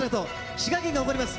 滋賀県が誇ります